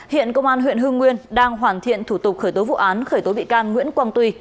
hiện công an huyện hưng nguyên đang hoàn thiện thủ tục khởi tố vụ án khởi tố bị can nguyễn quang tuy